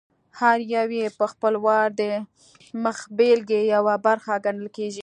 هر یو یې په خپل وار د مخبېلګې یوه برخه ګڼل کېږي.